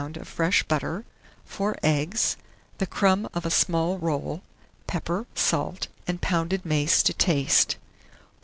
of fresh butter, 4 eggs, the crumb of a small roll; pepper, salt, and pounded mace to taste.